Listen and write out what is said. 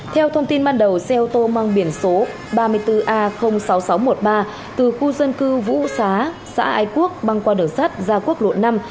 theo thông tin ban đầu xe ô tô mang biển số ba mươi bốn a sáu nghìn sáu trăm một mươi ba từ khu dân cư vũ xá xã ai quốc băng qua đường sắt ra quốc lộ năm